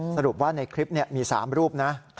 สรุปว่าในคลิปมี๓รูปนะ